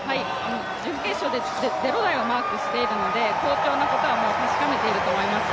準決勝で０台をマークしているので好調なことはもう確かめていると思います。